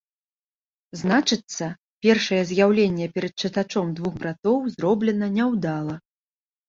Значыцца, першае з'яўленне перад чытачом двух братоў зроблена няўдала.